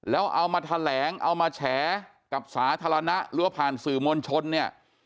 แล้วเอามาแถลงเอามาแฉกับสาธารณะหรือว่าผ่านสื่อมวลชนเนี่ย